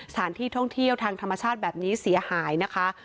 สถานที่ท่องเที่ยวทางธรรมชาติแบบนี้เสียหายนะคะ